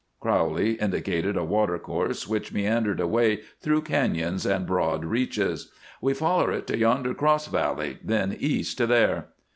Crowley indicated a watercourse which meandered away through cañons and broad reaches. "We foller it to yonder cross valley; then east to there."